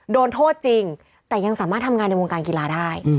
โดนโทษจริงแต่ยังสามารถทำงานในวงการกีฬาได้